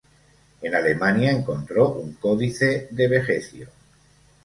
En Alemania encontró un códice de Vegecio.